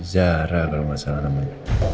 zara kalau gak salah namanya